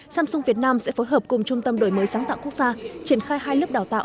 samsung việt nam sẽ phối hợp cùng trung tâm đổi mới sáng tạo quốc gia triển khai hai lớp đào tạo